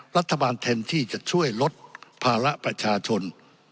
รัฐบาลแทนที่จะช่วยลดภาระประชาชน